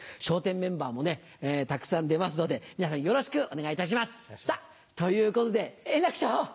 笑点メンバーもたくさん出ますので皆さんよろしくお願いいたします！ということで円楽師匠！